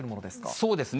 そうですね。